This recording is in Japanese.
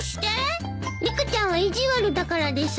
リカちゃんは意地悪だからです。